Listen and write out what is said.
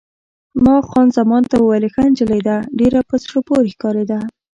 ما خان زمان ته وویل: ښه نجلۍ ده، ډېره په زړه پورې ښکارېده.